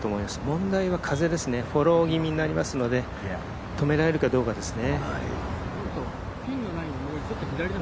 問題は風ですねフォロー気味になりますので止められるかどうかですね。